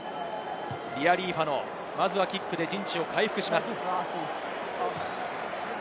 リアリーファノ、キックで陣地を回復します。